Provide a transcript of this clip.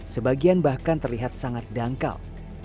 sebagian bahkan terlihat sangat dangkal